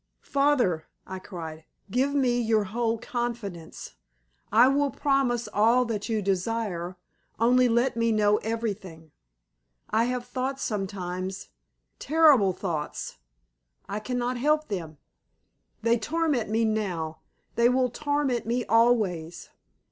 "Father," I cried, "give me your whole confidence. I will promise all that you desire, only let me know everything. I have thought sometimes terrible thoughts I cannot help them. They torment me now they will torment me always.